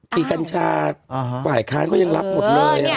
พิกัญชาหลายครั้งก็ยังรับหมดเลย